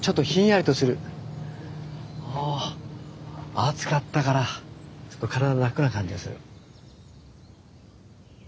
暑かったからちょっと体が楽な感じがする。